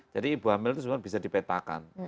jadi ibu hamil itu sebenarnya bisa dipetakan